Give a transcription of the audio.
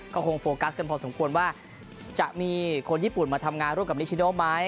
ก็คงโฟกัสกันพอสมควรว่าจะมีคนญี่ปุ่นมาทำงานร่วมกับนิชโนไหม